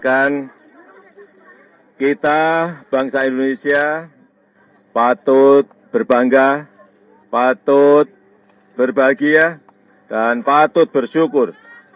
kita bangsa indonesia patut berbangga patut berbahagia dan patut bersyukur